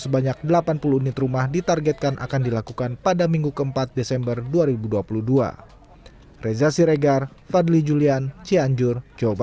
sebanyak delapan puluh unit rumah ditargetkan akan dilakukan pada minggu keempat desember dua ribu dua puluh dua